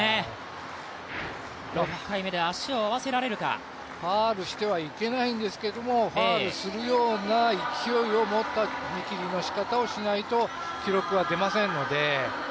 ６回目で足を合わせられるかファウルしてはいけないんですけども、ファウルするような勢いを持った踏み切りの仕方をしないと記録は出ませんので。